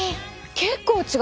結構違う。